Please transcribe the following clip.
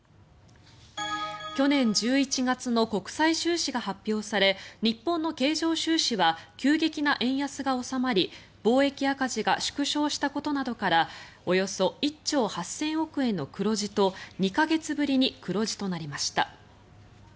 去年１１月の国際収支が発表され日本の経常収支は急激な円安が収まり貿易赤字が縮小したことなどからおよそ１兆８０００億円の黒字と２か月ぶりに黒字となりました。